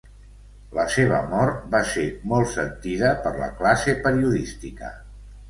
La seva mort va ser molt sentida per la classe periodística.